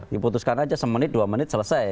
diputuskan aja semenit dua menit selesai